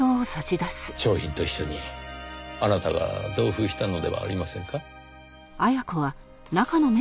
商品と一緒にあなたが同封したのではありませんか？